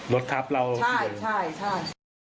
รถทับเราใช่ใช่